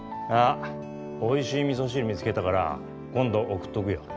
おいしいみそ汁見つけたから、今度送っとくよ。